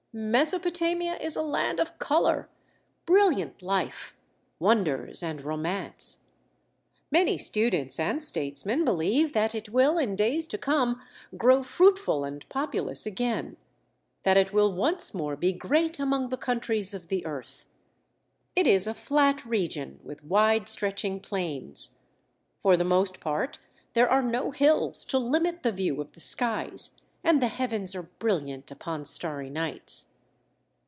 Mesopotamia is a land of color, brilliant life, wonders and romance. Many students and statesmen believe that it will, in days to come, grow fruitful and populous again, that it will once more be great among the countries of the earth. It is a flat region, with wide stretching plains. For the most part, there are no hills to limit the view of the skies, and the heavens are brilliant upon starry nights.